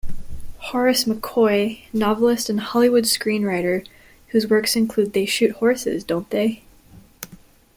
Horace McCoy, novelist and Hollywood screenwriter whose works include They Shoot Horses, Don't They?